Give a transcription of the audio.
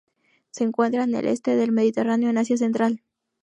Se encuentra en el este del Mediterráneo en Asia Central.